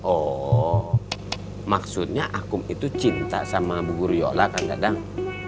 oh maksudnya akum itu cinta sama bu guru yola kang dadang